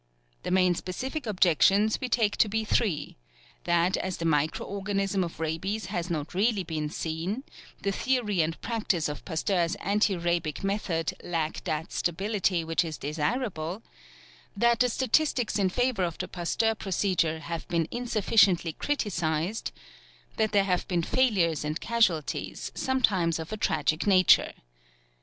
The main specific objections we take to be three that as the micro organism of rabies has not really been seen, the theory and practice of Pasteur's anti rabic method lack that stability which is desirable; that the statistics in favor of the Pasteur procedure have been insufficiently criticised; that there have been failures and casualties, sometimes of a tragic nature.